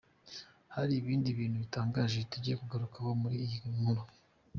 Hari ibindi bintu bitangaje tugiye kugarukaho muri iyi nkuru.